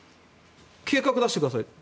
計画出してください。